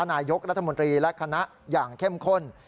นายกรัฐมนตรีและคณะอย่างเข้มข้น